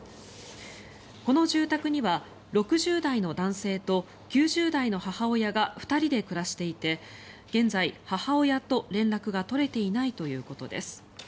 この住宅には６０代の男性と９０代の母親が２人で暮らしていて現在、母親と連絡が取れていないということです。